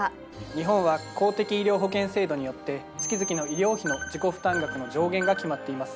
日本は公的医療保険制度によって月々の医療費の自己負担額の上限が決まっています